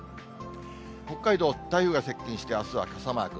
北海道、台風が接近して、あすは傘マーク。